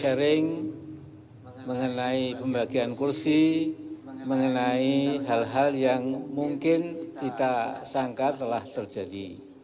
sharing mengenai pembagian kursi mengenai hal hal yang mungkin kita sangka telah terjadi